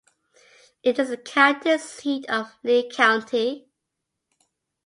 It is the county seat of Lee County.